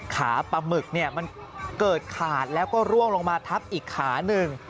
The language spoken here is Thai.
ขาปะหมึกเกิดขาดแล้วก็ทรวงลงมาทับอีกขานึง